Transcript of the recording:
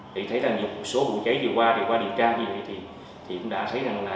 thì thấy là nhiều số vụ cháy vừa qua vừa qua điện trang vừa qua thì cũng đã thấy rằng là